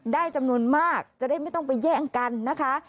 ได้จำนวนมากจะได้ไม่ต้องไปแย่งกันนะคะ